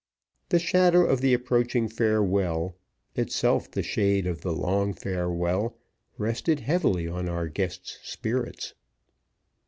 The shadow of the approaching farewell itself the shade of the long farewell rested heavily on our guest's spirits.